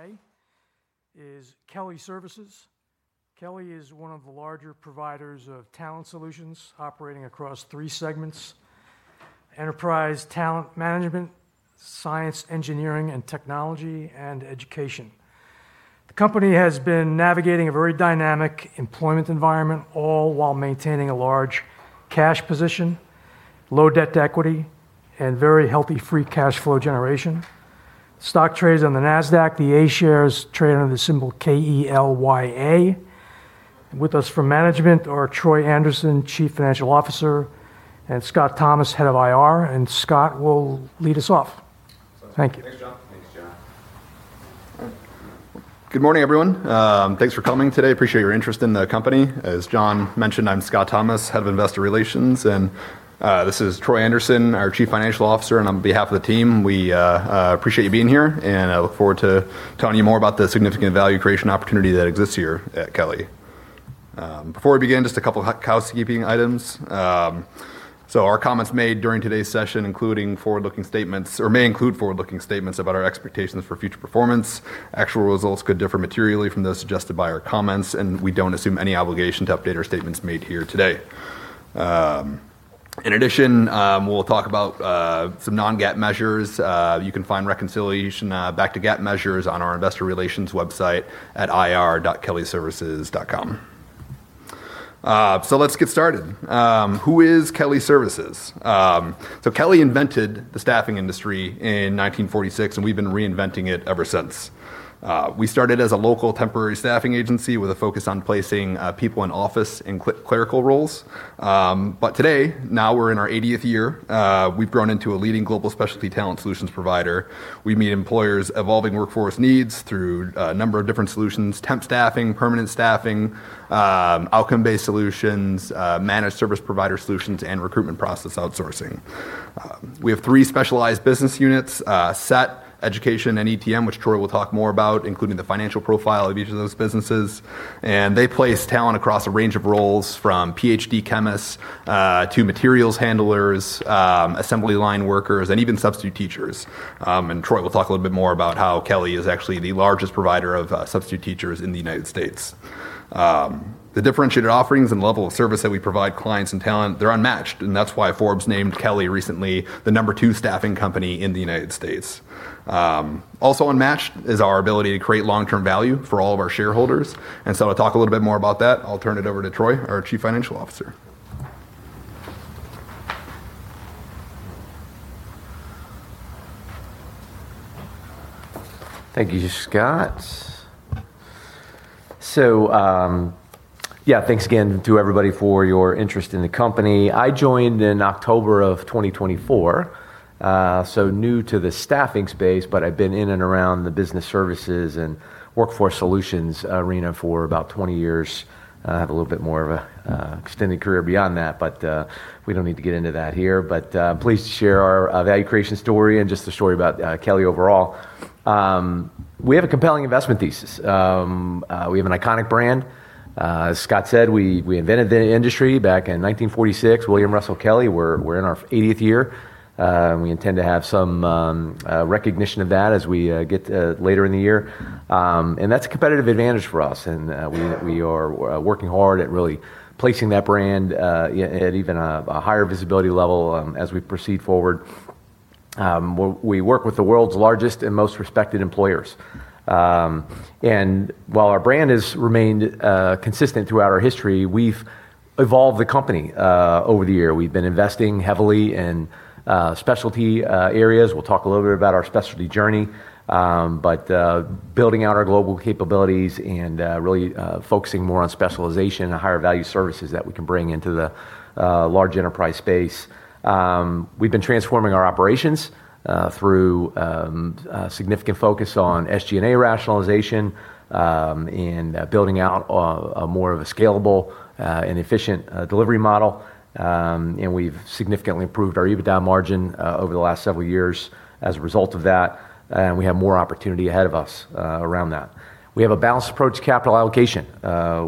Today is Kelly Services. Kelly is one of the larger providers of talent solutions operating across three segments: Enterprise Talent Management, Science, Engineering, and Technology, and Education. The company has been navigating a very dynamic employment environment, all while maintaining a large cash position, low debt to equity, and very healthy free cash flow generation. Stock trades on the Nasdaq, the A shares trade under the symbol KELYA. With us from management are Troy Anderson, Chief Financial Officer, and Scott Thomas, Head of IR, and Scott will lead us off. Thank you. Thanks, John. Thanks, John. Good morning, everyone. Thanks for coming today. Appreciate your interest in the company. As John mentioned, I'm Scott Thomas, Head of Investor Relations, and this is Troy Anderson, our Chief Financial Officer, and on behalf of the team, we appreciate you being here, and I look forward to telling you more about the significant value creation opportunity that exists here at Kelly. Before we begin, just a couple of housekeeping items. Our comments made during today's session, including forward-looking statements, or may include forward-looking statements about our expectations for future performance. Actual results could differ materially from those suggested by our comments, and we don't assume any obligation to update our statements made here today. In addition, we'll talk about some non-GAAP measures. You can find reconciliation back to GAAP measures on our investor relations website at ir.kellyservices.com. Let's get started. Who is Kelly Services? Kelly invented the staffing industry in 1946, and we've been reinventing it ever since. We started as a local temporary staffing agency with a focus on placing people in office and clerical roles. But today, now we're in our 80th year. We've grown into a leading global specialty talent solutions provider. We meet employers' evolving workforce needs through a number of different solutions, temp staffing, permanent staffing, outcome-based solutions, managed service provider solutions, and recruitment process outsourcing. We have three specialized business units, SET, Education, and ETM, which Troy will talk more about, including the financial profile of each of those businesses. And they place talent across a range of roles from Ph.D. chemists to materials handlers, assembly line workers, and even substitute teachers, and Troy will talk a little bit more about how Kelly is actually the largest provider of substitute teachers in the U.S. The differentiated offerings and level of service that we provide clients and talent, they're unmatched, and that's why Forbes named Kelly recently the number two staffing company in the U.S. Also unmatched is our ability to create long-term value for all of our shareholders, and to talk a little bit more about that, I'll turn it over to Troy, our Chief Financial Officer. Thank you, Scott. Yeah, thanks again to everybody for your interest in the company. I joined in October of 2024, so new to the staffing space, but I've been in and around the business services and workforce solutions arena for about 20 years. I have a little bit more of an extended career beyond that, but we don't need to get into that here. But I'm pleased to share our value creation story and just the story about Kelly overall. We have a compelling investment thesis. We have an iconic brand. As Scott said, we invented the industry back in 1946, William Russell Kelly. We're in our 80th year. We intend to have some recognition of that as we get later in the year. That's a competitive advantage for us, and we are working hard at really placing that brand at even a higher visibility level as we proceed forward. We work with the world's largest and most respected employers. And while our brand has remained consistent throughout our history, we've evolved the company over the year. We've been investing heavily in specialty areas. We'll talk a little bit about our specialty journey, but building out our global capabilities and really focusing more on specialization and higher value services that we can bring into the large enterprise space. We've been transforming our operations through significant focus on SG&A rationalization and building out more of a scalable and efficient delivery model, and we've significantly improved our EBITDA margin over the last several years as a result of that, and we have more opportunity ahead of us around that. We have a balanced approach to capital allocation.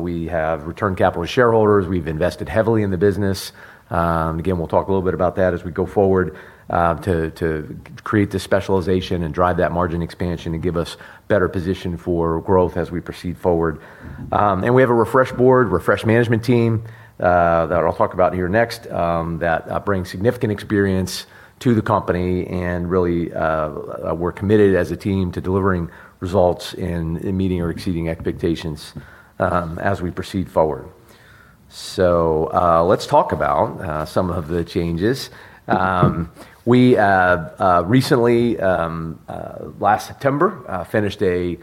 We have returned capital to shareholders. We've invested heavily in the business. Again, we'll talk a little bit about that as we go forward to create this specialization and drive that margin expansion to give us better position for growth as we proceed forward. We have a refreshed board, refreshed management team, that I'll talk about here next, that brings significant experience to the company, and really, we're committed as a team to delivering results and meeting or exceeding expectations as we proceed forward. Let's talk about some of the changes. We recently, last September, finished a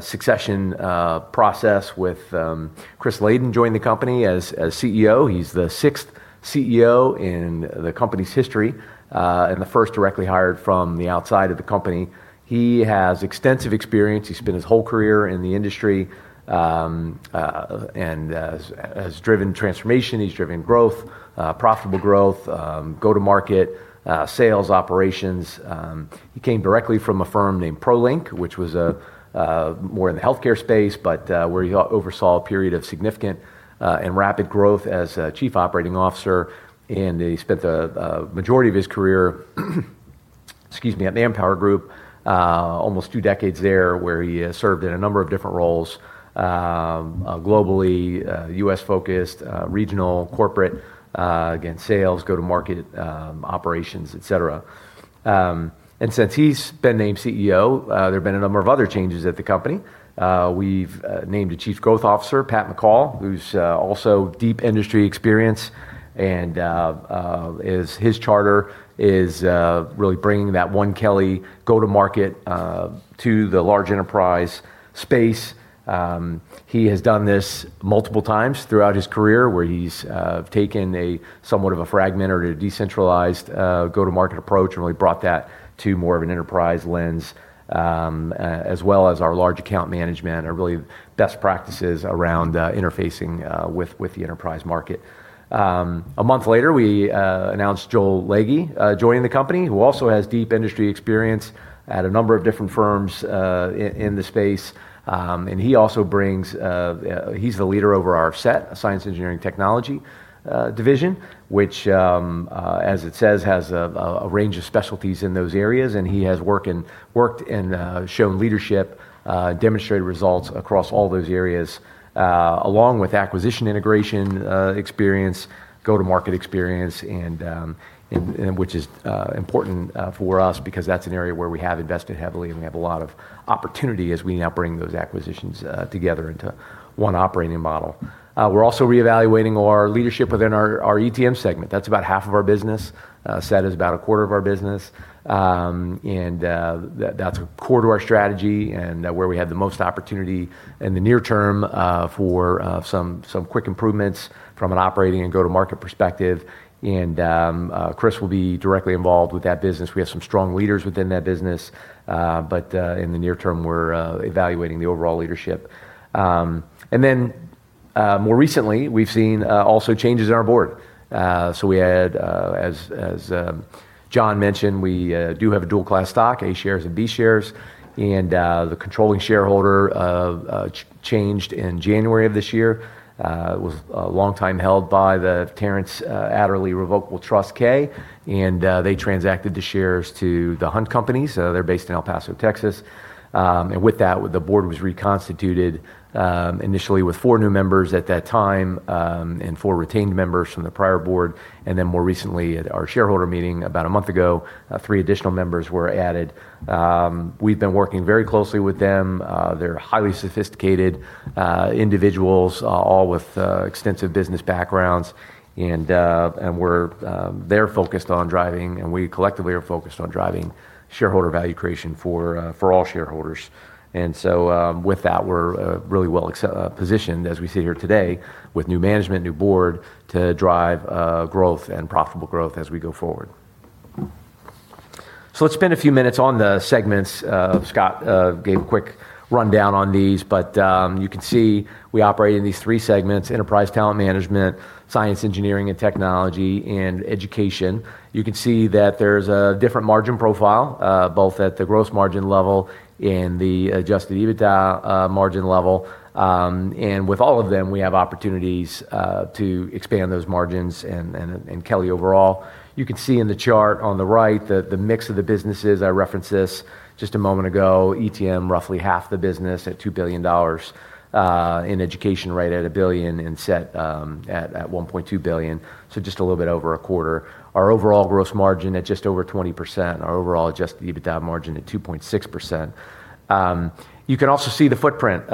succession process with Chris Layden joining the company as CEO. He's the sixth CEO in the company's history, and the first directly hired from the outside of the company. He has extensive experience. He spent his whole career in the industry, and has driven transformation. He's driven growth, profitable growth, go-to-market, sales, operations. He came directly from a firm named Prolink, which was more in the healthcare space, but where he oversaw a period of significant and rapid growth as chief operating officer, and he spent the majority of his career Excuse me, at ManpowerGroup. Almost two decades there, where he served in a number of different roles, globally, U.S.-focused, regional, corporate, again, sales, go-to-market, operations, et cetera. Since he's been named CEO, there have been a number of other changes at the company. We've named a chief growth officer, Pat McCall, who's also deep industry experience, and his charter is really bringing that One Kelly go-to-market to the large enterprise space. He has done this multiple times throughout his career, where he's taken a somewhat of a fragmented or decentralized go-to-market approach and really brought that to more of an enterprise lens, as well as our large account management, or really best practices around interfacing with the enterprise market. A month later, we announced Joel Leege joining the company, who also has deep industry experience at a number of different firms in the space. He's the leader over our SET, Science, Engineering, and Technology division, which, as it says, has a range of specialties in those areas, and he has worked and shown leadership, demonstrated results across all those areas, along with acquisition integration experience, go-to-market experience, which is important for us because that's an area where we have invested heavily, and we have a lot of opportunity as we now bring those acquisitions together into one operating model. We're also reevaluating our leadership within our ETM segment. That's about half of our business. SET is about a quarter of our business. That's core to our strategy and where we have the most opportunity in the near term for some quick improvements from an operating and go-to-market perspective. Chris will be directly involved with that business. We have some strong leaders within that business. In the near term, we're evaluating the overall leadership. More recently, we've seen also changes in our board. We had, as John mentioned, we do have a dual class stock, A shares and B shares. The controlling shareholder changed in January of this year. It was a long time held by the Terence E. Adderley Revocable Trust K, and they transacted the shares to The Hunt Companies. They're based in El Paso, Texas. With that, the board was reconstituted initially with four new members at that time, and four retained members from the prior board. More recently at our shareholder meeting about a month ago, three additional members were added. We've been working very closely with them. They're highly sophisticated individuals, all with extensive business backgrounds. They're focused on driving, and we collectively are focused on driving shareholder value creation for all shareholders. With that, we're really well-positioned as we sit here today with new management, new board to drive growth and profitable growth as we go forward. Let's spend a few minutes on the segments. Scott gave a quick rundown on these, but you can see we operate in these three segments, Enterprise Talent Management, Science, Engineering, and Technology, and Education. You can see that there's a different margin profile, both at the gross margin level and the adjusted EBITDA margin level. With all of them, we have opportunities to expand those margins in Kelly overall. You can see in the chart on the right the mix of the businesses. I referenced this just a moment ago. ETM, roughly half the business at $2 billion, and Education right at $1 billion, and SET at $1.2 billion, so just a little bit over a quarter. Our overall gross margin at just over 20%, our overall adjusted EBITDA margin at 2.6%. You can also see the footprint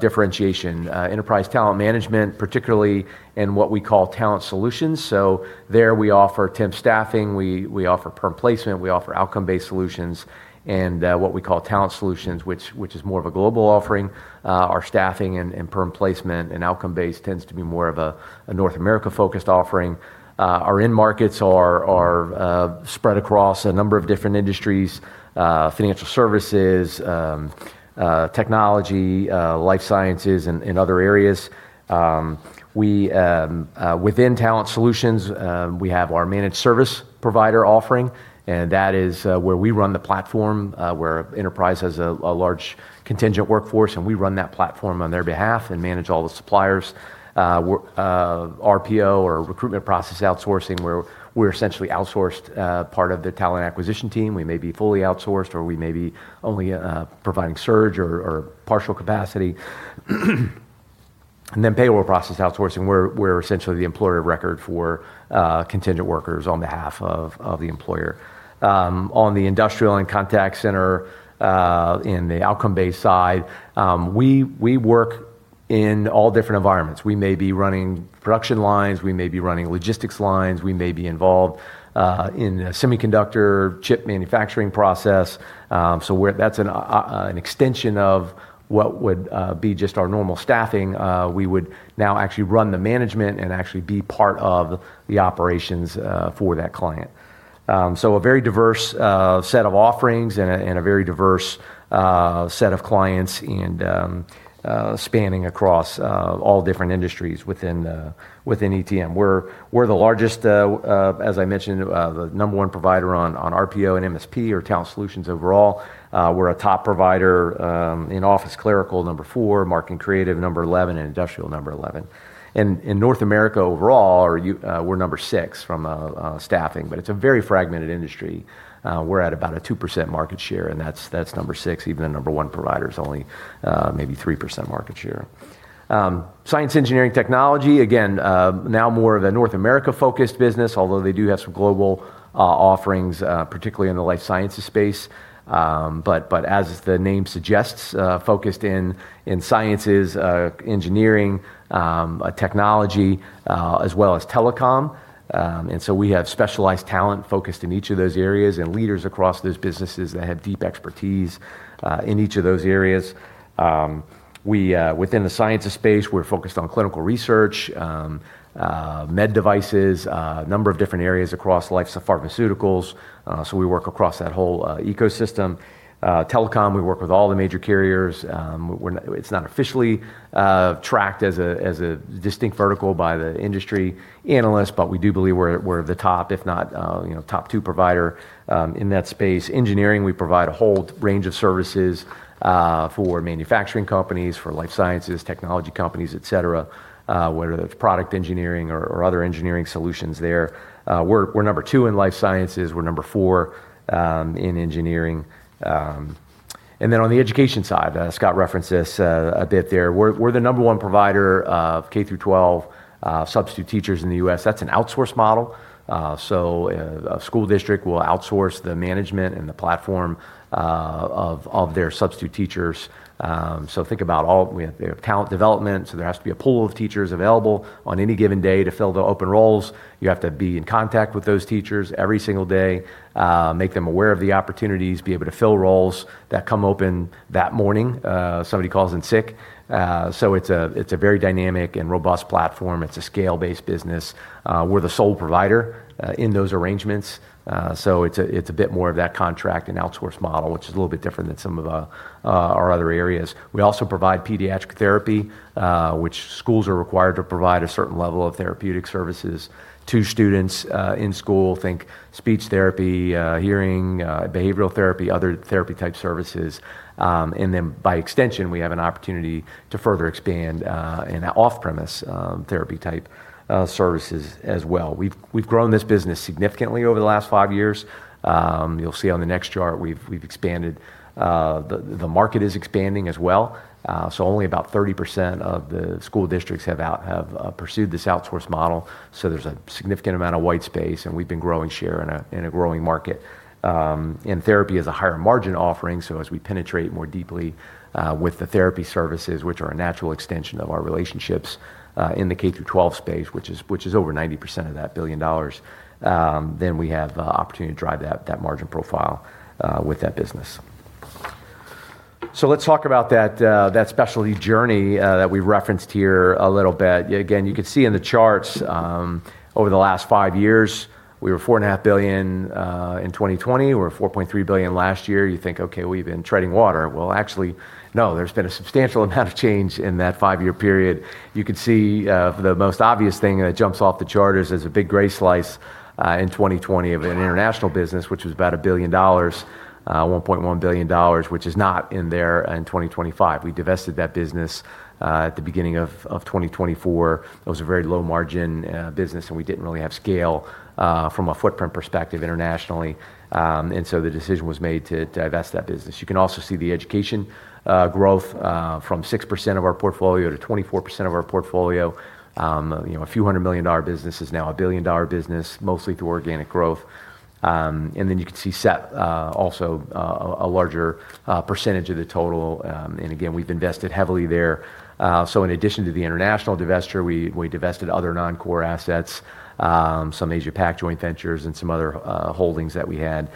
differentiation. Enterprise Talent Management, particularly in what we call Talent Solutions. There we offer temp staffing, we offer perm placement, we offer outcome-based solutions, and what we call Talent Solutions, which is more of a global offering. Our staffing and perm placement and outcome-based tends to be more of a North America-focused offering. Our end markets are spread across a number of different industries, financial services, technology, life sciences, and other areas. Within Talent Solutions, we have our Managed Service Provider offering, that is where we run the platform, where enterprise has a large contingent workforce, we run that platform on their behalf and manage all the suppliers. RPO or Recruitment Process Outsourcing, where we're essentially outsourced part of the talent acquisition team. We may be fully outsourced, or we may be only providing surge or partial capacity. Payroll Process Outsourcing, we're essentially the employer of record for contingent workers on behalf of the employer. On the industrial and contact center in the outcome-based side, we work in all different environments. We may be running production lines, we may be running logistics lines, we may be involved in a semiconductor chip manufacturing process. That's an extension of what would be just our normal staffing. We would now actually run the management and actually be part of the operations for that client. A very diverse set of offerings and a very diverse set of clients, and spanning across all different industries within ETM. We're the largest, as I mentioned, the number one provider on RPO and MSP or Talent Solutions overall. We're a top provider in office clerical number four, marketing creative number 11, and industrial number 11. In North America overall, we're number six from a staffing, but it's a very fragmented industry. We're at about a 2% market share, and that's number six. Even the number one provider is only maybe 3% market share. Science, engineering, technology, again, now more of a North America-focused business, although they do have some global offerings, particularly in the life sciences space. As the name suggests, focused in sciences, engineering, technology, as well as telecom. We have specialized talent focused in each of those areas and leaders across those businesses that have deep expertise in each of those areas. Within the sciences space, we're focused on clinical research, med devices, a number of different areas across life pharmaceuticals. We work across that whole ecosystem. Telecom, we work with all the major carriers. It's not officially tracked as a distinct vertical by the industry analysts, we do believe we're the top, if not top two provider, in that space. Engineering, we provide a whole range of services for manufacturing companies, for life sciences technology companies, et cetera, whether that's product engineering or other engineering solutions there. We're number two in life sciences. We're number four in engineering. On the education side, Scott referenced this a bit there. We're the number one provider of K-12 substitute teachers in the U.S. That's an outsource model. A school district will outsource the management and the platform of their substitute teachers. Think about all, we have talent development, so there has to be a pool of teachers available on any given day to fill the open roles. You have to be in contact with those teachers every single day, make them aware of the opportunities, be able to fill roles that come open that morning, somebody calls in sick. It's a very dynamic and robust platform. It's a scale-based business. We're the sole provider in those arrangements. It's a bit more of that contract and outsource model, which is a little bit different than some of our other areas. We also provide pediatric therapy, which schools are required to provide a certain level of therapeutic services to students in school. Think speech therapy, hearing, behavioral therapy, other therapy-type services. By extension, we have an opportunity to further expand in off-premise therapy-type services as well. We've grown this business significantly over the last five years. You'll see on the next chart, we've expanded. The market is expanding as well. Only about 30% of the school districts have pursued this outsource model. There's a significant amount of white space, and we've been growing share in a growing market. Therapy is a higher margin offering, as we penetrate more deeply with the therapy services, which are a natural extension of our relationships in the K-12 space, which is over 90% of that $1 billion, we have the opportunity to drive that margin profile with that business. Let's talk about that specialty journey that we referenced here a little bit. Again, you can see in the charts, over the last five years, we were $4.5 billion in 2020. We were $4.3 billion last year. You think, "Okay, we've been treading water." Well, actually, no. There's been a substantial amount of change in that five-year period. The most obvious thing that jumps off the chart is a big gray slice in 2020 of an international business, which was about $1 billion, $1.1 billion, which is not in there in 2025. We divested that business at the beginning of 2024. It was a very low-margin business. We didn't really have scale from a footprint perspective internationally. The decision was made to divest that business. You can also see the education growth from 6% of our portfolio to 24% of our portfolio. A few hundred million dollar business is now a $1 billion-dollar business, mostly through organic growth. You can see SET also a larger percentage of the total. Again, we've invested heavily there. In addition to the international divestiture, we divested other non-core assets, some Asia-Pac joint ventures and some other holdings that we had,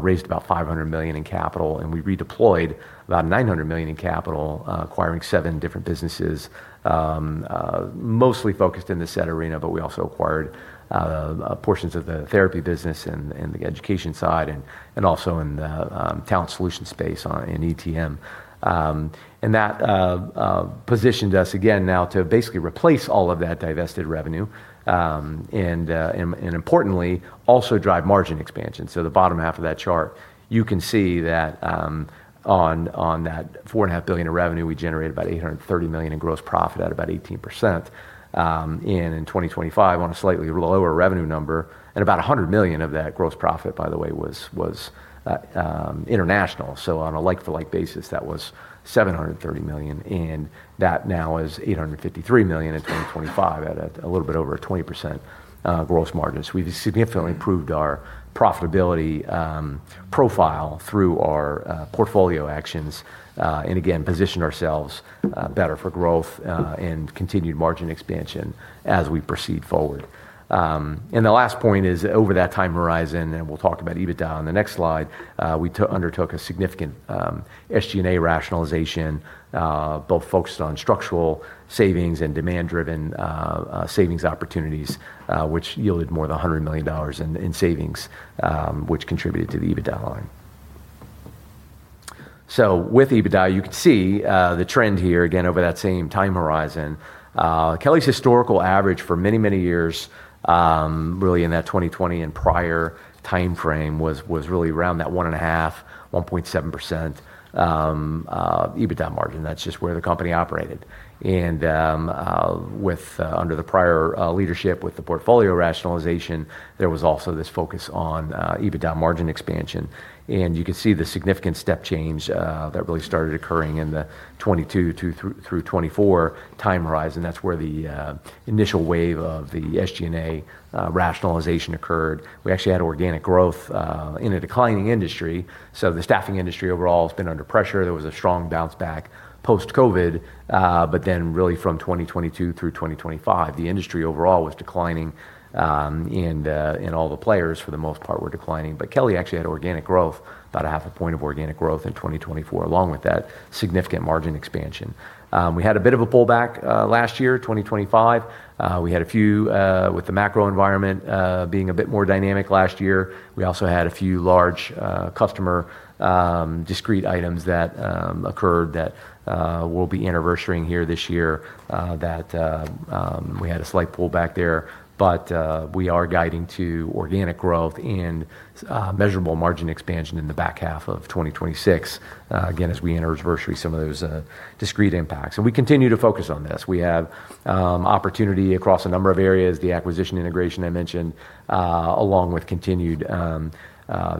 raised about $500 million in capital. We redeployed about $900 million in capital, acquiring seven different businesses, mostly focused in the SET arena. We also acquired portions of the therapy business and the education side and also in the talent solution space in ETM. That positioned us again now to basically replace all of that divested revenue, and importantly, also drive margin expansion. The bottom half of that chart, you can see that on that $4.5 billion of revenue, we generated about $830 million in gross profit at about 18%, and in 2025, on a slightly lower revenue number. About $100 million of that gross profit, by the way, was international. On a like-for-like basis, that was $730 million, and that now is $853 million in 2025 at a little bit over a 20% gross margins. We've significantly improved our profitability profile through our portfolio actions. Again, positioned ourselves better for growth and continued margin expansion as we proceed forward. The last point is over that time horizon, and we'll talk about EBITDA on the next slide, we undertook a significant SG&A rationalization, both focused on structural savings and demand-driven savings opportunities, which yielded more than $100 million in savings, which contributed to the EBITDA line. With EBITDA, you can see the trend here again over that same time horizon. Kelly's historical average for many years, really in that 2020 and prior timeframe was really around that 1.5%, 1.7% EBITDA margin. That's just where the company operated. Under the prior leadership with the portfolio rationalization, there was also this focus on EBITDA margin expansion. You can see the significant step change that really started occurring in the 2022 through 2024 time horizon. That's where the initial wave of the SG&A rationalization occurred. We actually had organic growth in a declining industry. The staffing industry overall has been under pressure. There was a strong bounce back post-COVID. Really from 2022 through 2025, the industry overall was declining. All the players for the most part were declining. Kelly actually had organic growth, about a half a point of organic growth in 2024, along with that significant margin expansion. We had a bit of a pullback last year, 2025. With the macro environment being a bit more dynamic last year, we also had a few large customer discrete items that occurred that will be anniversarying here this year that we had a slight pullback there. We are guiding to organic growth and measurable margin expansion in the back half of 2026, again, as we anniversary some of those discrete impacts. We continue to focus on this. We have opportunity across a number of areas. The acquisition integration I mentioned, along with continued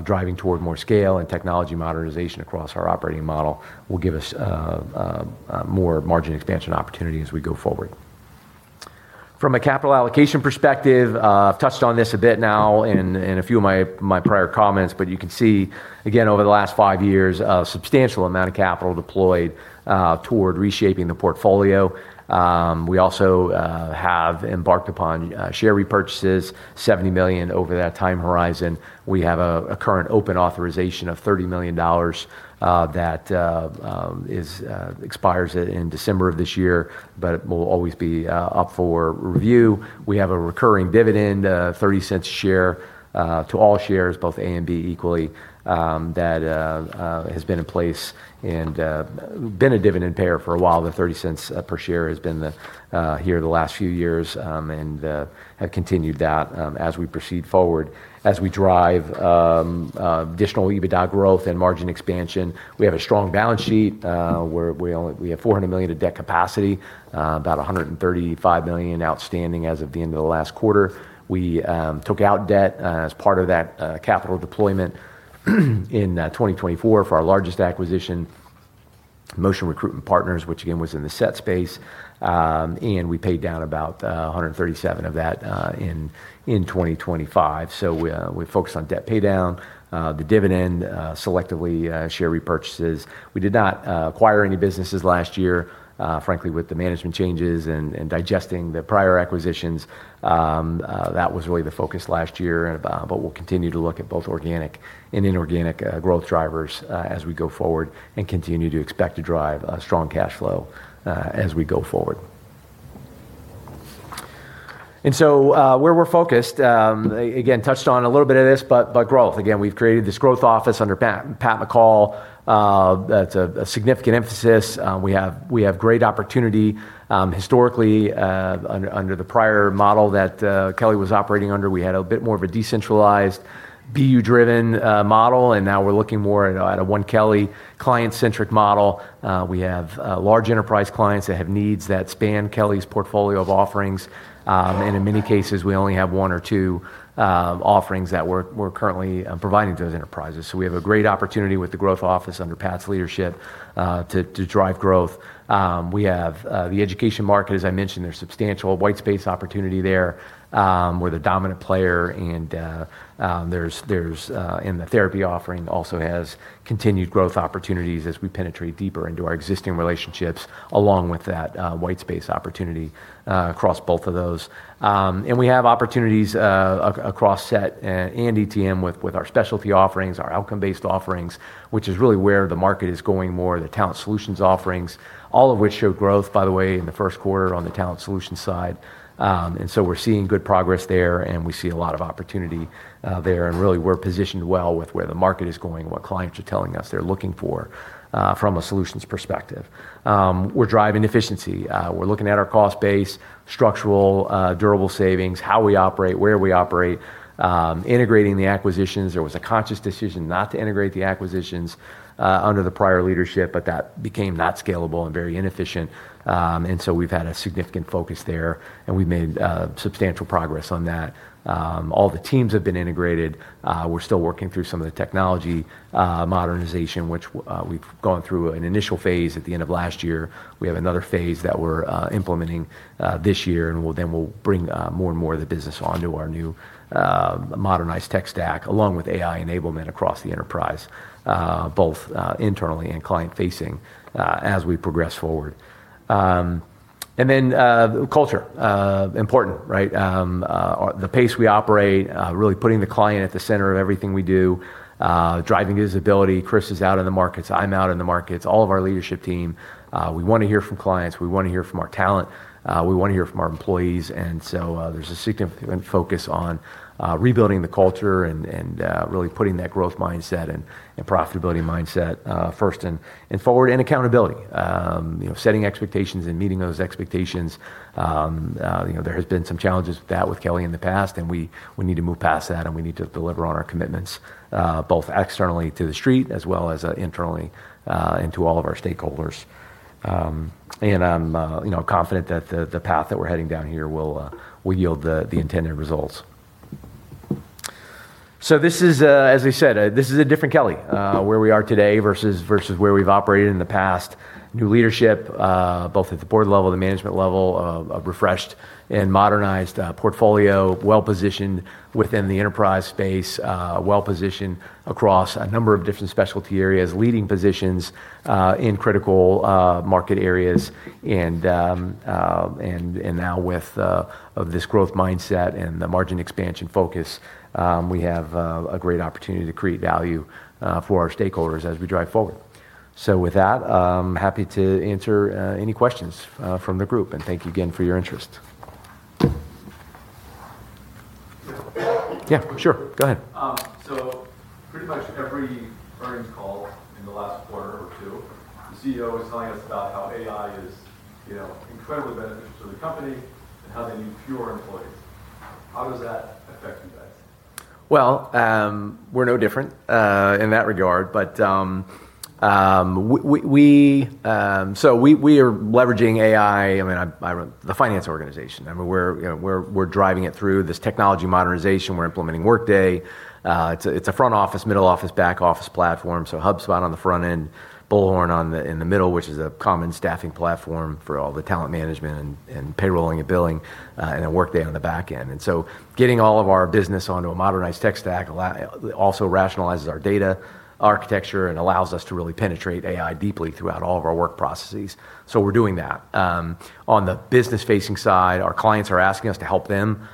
driving toward more scale and technology modernization across our operating model will give us more margin expansion opportunity as we go forward. From a capital allocation perspective, I've touched on this a bit now in a few of my prior comments. You can see again over the last five years, a substantial amount of capital deployed toward reshaping the portfolio. We also have embarked upon share repurchases, $70 million over that time horizon. We have a current open authorization of $30 million that expires in December of this year. Will always be up for review. We have a recurring dividend, $0.30 a share to all shares, both A and B equally, that has been in place and been a dividend payer for a while. The $0.30 per share has been here the last few years. Have continued that as we proceed forward, as we drive additional EBITDA growth and margin expansion. We have a strong balance sheet. We have $400 million of debt capacity, about $135 million outstanding as of the end of the last quarter. We took out debt as part of that capital deployment in 2024 for our largest acquisition, Motion Recruitment Partners, which again, was in the SET space. We paid down about $137 of that in 2025. We focused on debt paydown, the dividend, selectively share repurchases. We did not acquire any businesses last year. Frankly, with the management changes and digesting the prior acquisitions, that was really the focus last year. We'll continue to look at both organic and inorganic growth drivers as we go forward and continue to expect to drive strong cash flow as we go forward. Where we're focused, again, touched on a little bit of this, growth. Again, we've created this growth office under Pat McCall. That's a significant emphasis. We have great opportunity. Historically, under the prior model that Kelly was operating under, we had a bit more of a decentralized BU-driven model, and now we're looking more at a One Kelly client-centric model. We have large enterprise clients that have needs that span Kelly's portfolio of offerings. In many cases, we only have one or two offerings that we're currently providing to those enterprises. We have a great opportunity with the growth office under Pat's leadership, to drive growth. We have the education market, as I mentioned, there's substantial white space opportunity there. We're the dominant player. The therapy offering also has continued growth opportunities as we penetrate deeper into our existing relationships along with that white space opportunity across both of those. We have opportunities across SET and ETM with our specialty offerings, our outcome-based offerings, which is really where the market is going more, the talent solutions offerings, all of which show growth, by the way, in the first quarter on the talent solutions side. We're seeing good progress there and we see a lot of opportunity there, and really, we're positioned well with where the market is going and what clients are telling us they're looking for from a solutions perspective. We're driving efficiency. We're looking at our cost base, structural, durable savings, how we operate, where we operate, integrating the acquisitions. There was a conscious decision not to integrate the acquisitions under the prior leadership, but that became not scalable and very inefficient. We've had a significant focus there, and we've made substantial progress on that. All the teams have been integrated. We're still working through some of the technology modernization, which we've gone through an initial phase at the end of last year. We have another phase that we're implementing this year, we'll bring more and more of the business onto our new modernized tech stack, along with AI enablement across the enterprise, both internally and client-facing, as we progress forward. Culture, important, right? The pace we operate, really putting the client at the center of everything we do, driving visibility. Chris is out in the markets, I'm out in the markets, all of our leadership team. We want to hear from clients, we want to hear from our talent, we want to hear from our employees, there's a significant focus on rebuilding the culture and really putting that growth mindset and profitability mindset first and forward. Accountability. Setting expectations and meeting those expectations. There has been some challenges with that with Kelly in the past, and we need to move past that, and we need to deliver on our commitments, both externally to the street as well as internally and to all of our stakeholders. I'm confident that the path that we're heading down here will yield the intended results. This is, as I said, this is a different Kelly, where we are today versus where we've operated in the past. New leadership, both at the board level, the management level, a refreshed and modernized portfolio, well-positioned within the enterprise space. Well-positioned across a number of different specialty areas. Leading positions in critical market areas. Now with this growth mindset and the margin expansion focus, we have a great opportunity to create value for our stakeholders as we drive forward. With that, I'm happy to answer any questions from the group. Thank you again for your interest. Yeah, sure. Go ahead. Pretty much every earnings call in the last quarter or two, the CEO is telling us about how AI is incredibly beneficial to the company, and how they need fewer employees. How does that affect you guys? Well, we're no different in that regard. We are leveraging AI, the finance organization. We're driving it through this technology modernization. We're implementing Workday. It's a front office, middle office, back office platform. HubSpot on the front end, Bullhorn in the middle, which is a common staffing platform for all the talent management and payroll and billing, and then Workday on the back end. Getting all of our business onto a modernized tech stack also rationalizes our data architecture and allows us to really penetrate AI deeply throughout all of our work processes. We're doing that. On the business-facing side, our clients are asking us to help them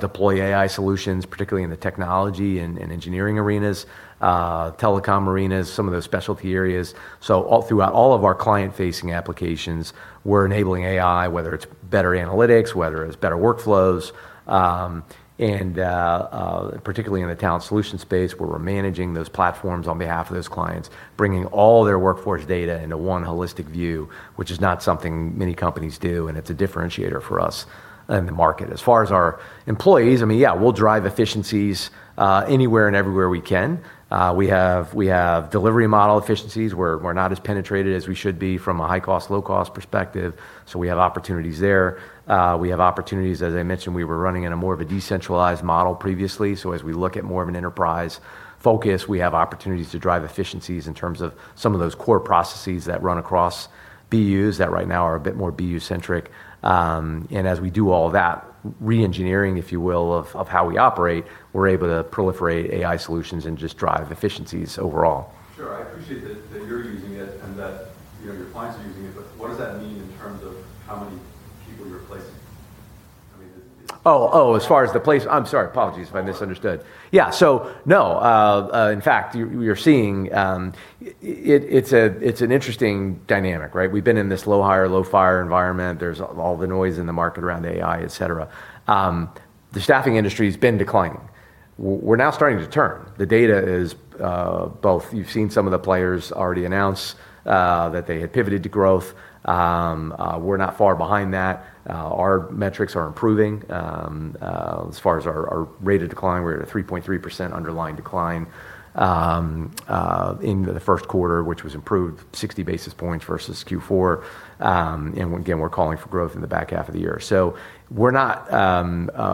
deploy AI solutions, particularly in the technology and engineering arenas, Telecom arenas, some of those specialty areas. Throughout all of our client-facing applications, we're enabling AI, whether it's better analytics, whether it's better workflows, and particularly in the talent solution space where we're managing those platforms on behalf of those clients, bringing all their workforce data into one holistic view, which is not something many companies do, and it's a differentiator for us in the market. As far as our employees, yeah, we'll drive efficiencies anywhere and everywhere we can. We have delivery model efficiencies. We're not as penetrated as we should be from a high-cost, low-cost perspective, so we have opportunities there. We have opportunities, as I mentioned, we were running in a more of a decentralized model previously, so as we look at more of an enterprise focus, we have opportunities to drive efficiencies in terms of some of those core processes that run across BUs that right now are a bit more BU-centric. As we do all of that re-engineering, if you will, of how we operate, we're able to proliferate AI solutions and just drive efficiencies overall. Sure. I appreciate that you're using it and that your clients are using it, but what does that mean in terms of how many people you're replacing? I'm sorry. Apologies if I misunderstood. Yeah. No, in fact, we are seeing. It's an interesting dynamic, right? We've been in this low hire, low fire environment. There's all the noise in the market around AI, et cetera. The staffing industry's been declining. We're now starting to turn. The data is, both you've seen some of the players already announce that they had pivoted to growth. We're not far behind that. Our metrics are improving. As far as our rate of decline, we're at a 3.3% underlying decline in the first quarter, which was improved 60 basis points versus Q4. Again, we're calling for growth in the back half of the year.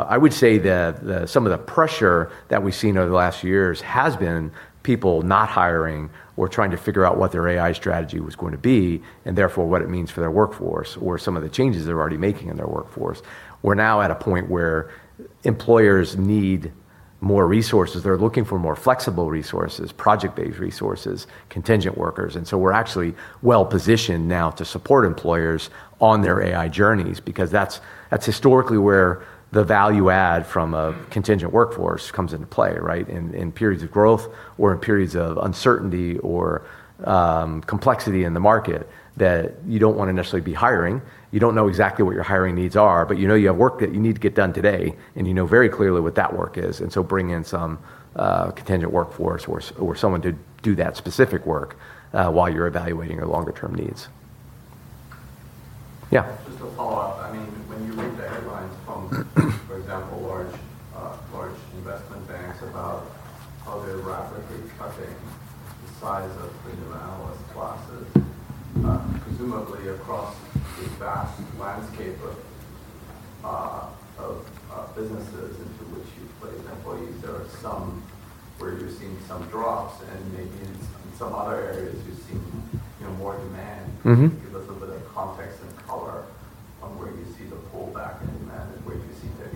I would say that some of the pressure that we've seen over the last years has been people not hiring or trying to figure out what their AI strategy was going to be, and therefore what it means for their workforce, or some of the changes they're already making in their workforce. We're now at a point where employers need more resources. They're looking for more flexible resources, project-based resources, contingent workers. We're actually well-positioned now to support employers on their AI journeys because that's historically where the value add from a contingent workforce comes into play, right? In periods of growth or in periods of uncertainty or complexity in the market that you don't want to necessarily be hiring. You don't know exactly what your hiring needs are, but you know you have work that you need to get done today, and you know very clearly what that work is. Bring in some contingent workforce or someone to do that specific work, while you're evaluating your longer term needs. Yeah. Just to follow up, when you read the headlines from, for example, large investment banks about how they're rapidly cutting the size of the new analyst classes, presumably across the vast landscape of businesses into which you place employees, there are some where you're seeing some drops and maybe in some other areas you're seeing more demand. Give us a bit of context and color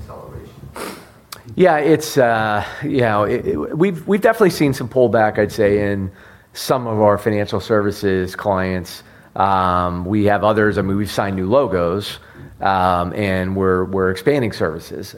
on where you see the pullback? See the acceleration? Yeah, we've definitely seen some pullback, I'd say, in some of our financial services clients. We have others, we've signed new logos, and we're expanding services.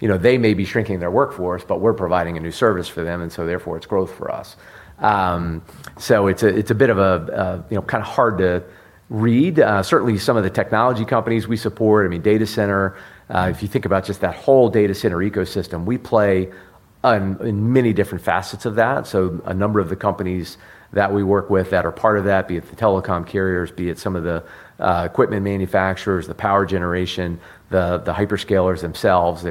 They may be shrinking their workforce, but we're providing a new service for them, and so therefore it's growth for us. It's a bit of kind of hard to read. Certainly, some of the technology companies we support, data center. If you think about just that whole data center ecosystem, we play in many different facets of that. A number of the companies that we work with that are part of that, be it the telecom carriers, be it some of the equipment manufacturers, the power generation, the hyperscalers themselves,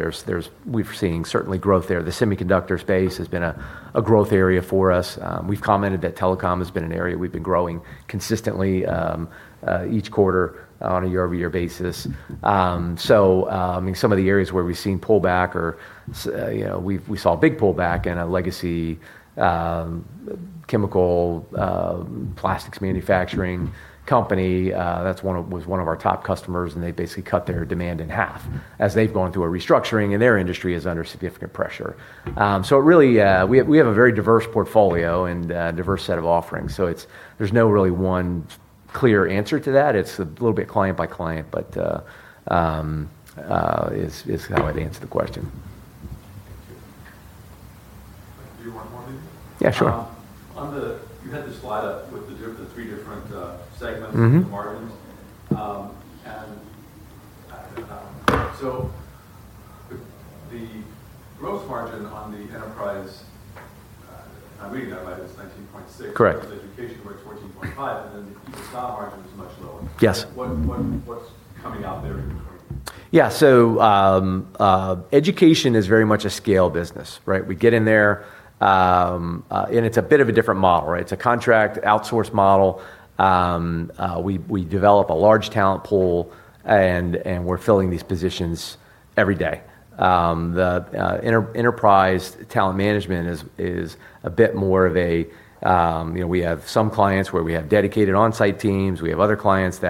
we're seeing certainly growth there. The semiconductor space has been a growth area for us. We've commented that telecom has been an area we've been growing consistently each quarter on a year-over-year basis. Some of the areas where we've seen pullback or we saw a big pullback in a legacy chemical plastics manufacturing company. That was one of our top customers, and they basically cut their demand in half as they've gone through a restructuring, and their industry is under significant pressure. Really, we have a very diverse portfolio and a diverse set of offerings. There's no really one clear answer to that. It's a little bit client by client, but is how I'd answer the question. Thank you. Can I do one more maybe? Yeah, sure. You had the slide up with the three different segments. of the margins. The gross margin on the enterprise, if I'm reading that right, is 19.6%. Correct. Versus education, where it's 14.5%, the ETM margin is much lower. Yes. What's coming out there in terms of? Education is very much a scale business, right? We get in there. It's a bit of a different model. It's a contract outsource model. We develop a large talent pool. We're filling these positions every day. The Enterprise Talent Management. We have some clients where we have dedicated on-site teams. We have other clients.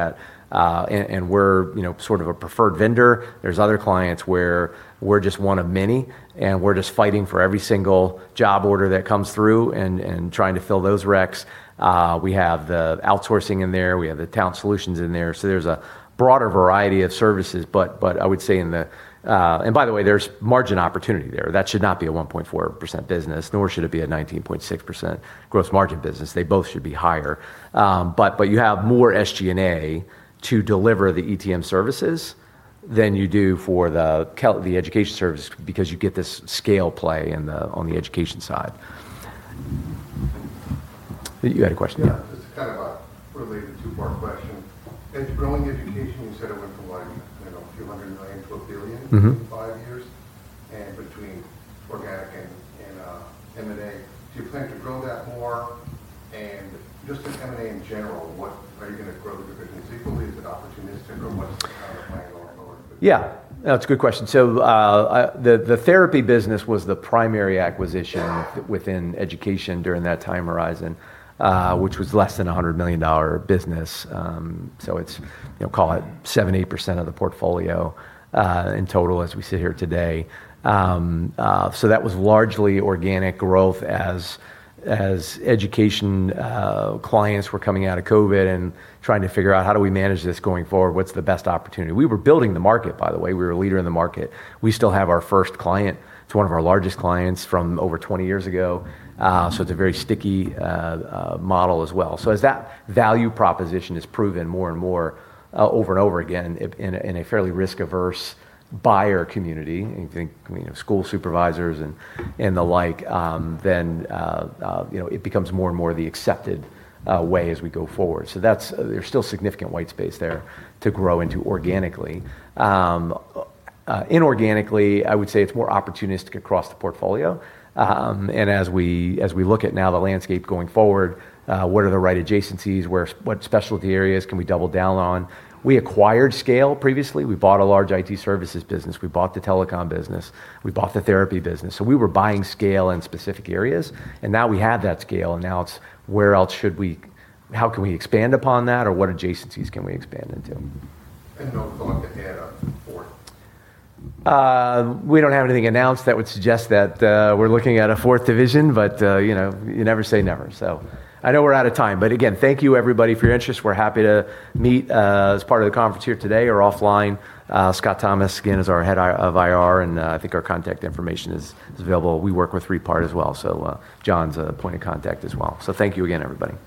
We're sort of a preferred vendor. There's other clients where we're just one of many. We're just fighting for every single job order that comes through and trying to fill those reqs. We have the outsourcing in there. We have the talent solutions in there. There's a broader variety of services. By the way, there's margin opportunity there. That should not be a 1.4% business, nor should it be a 19.6% gross margin business. They both should be higher. You have more SG&A to deliver the ETM services than you do for the education service because you get this scale play on the education side. You had a question? Yeah. This is kind of a related two-part question. As growing education, you said it went from, what, a few hundred million to a billion? In five years, and between organic and M&A. Do you plan to grow that more? Just as M&A in general, are you going to grow the divisions equally? Is it opportunistic, or what's the kind of plan going forward for that? Yeah. No, it's a good question. The therapy business was the primary acquisition within education during that time horizon, which was less than a $100 million business. It's, call it 78% of the portfolio, in total as we sit here today. That was largely organic growth as education clients were coming out of COVID and trying to figure out how do we manage this going forward, what's the best opportunity. We were building the market, by the way. We were a leader in the market. We still have our first client. It's one of our largest clients from over 20 years ago. It's a very sticky model as well. As that value proposition is proven more and more, over and over again in a fairly risk-averse buyer community, think school supervisors and the like, it becomes more and more the accepted way as we go forward. There's still significant white space there to grow into organically. Inorganically, I would say it's more opportunistic across the portfolio. As we look at now the landscape going forward, what are the right adjacencies, what specialty areas can we double down on? We acquired scale previously. We bought a large IT services business. We bought the telecom business. We bought the therapy business. We were buying scale in specific areas, and now we have that scale, and now it's how can we expand upon that or what adjacencies can we expand into? No thought to add a fourth? We don't have anything announced that would suggest that we're looking at a fourth division, you never say never. I know we're out of time, again, thank you everybody for your interest. We're happy to meet as part of the conference here today or offline. Scott Thomas, again, is our head of IR, and I think our contact information is available. We work with Three Part as well. John's a point of contact as well. Thank you again, everybody.